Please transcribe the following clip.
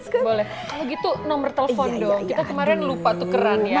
kalo gitu nomer telpon dong kita kemarin lupa tukeran ya